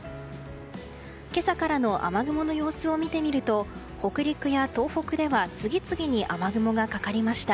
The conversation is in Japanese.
今朝からの雨雲の様子を見てみると北陸や東北では次々に雨雲がかかりました。